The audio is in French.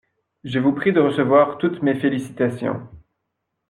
Je vous prie de recevoir toutes mes félicitations.